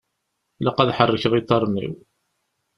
Ilaq ad ḥerkeɣ iḍaṛṛen-iw.